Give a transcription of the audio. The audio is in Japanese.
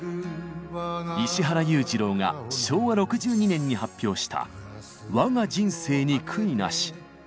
石原裕次郎が昭和６２年に発表した「わが人生に悔いなし」。